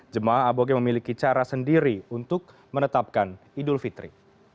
jemaah aboge memiliki cara sendiri untuk menetapkan idul fitri